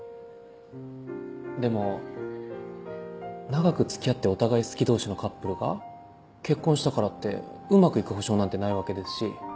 でも長く付き合ってお互い好き同士のカップルが結婚したからってうまくいく保証なんてないわけですし。